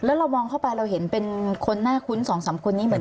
แล้วเรามองเข้าไปเราเห็นเป็นคนน่าคุ้น๒๓คนนี้เหมือนเดิมไหม